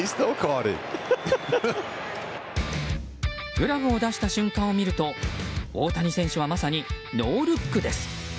グラブを出した瞬間を見ると大谷選手はまさにノールックです。